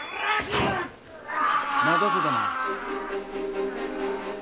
「待たせたな」。